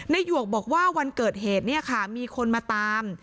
หยวกบอกว่าวันเกิดเหตุเนี่ยค่ะมีคนมาตาม